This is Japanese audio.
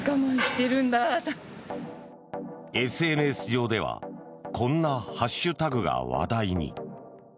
ＳＮＳ上ではこんなハッシュタグが話題に。